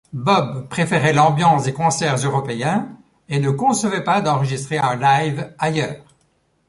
Bob préférait l'ambiance des concerts européens et ne concevait pas d'enregistrer un live ailleurs.